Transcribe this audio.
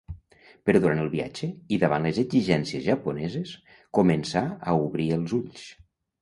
Però durant el viatge, i davant les exigències japoneses, comença a obrir els ulls.